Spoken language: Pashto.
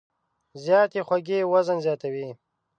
زیاتې خوږې وزن زیاتوي.